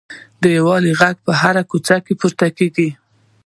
د یووالي غږ په هره کوڅه کې پورته کړئ.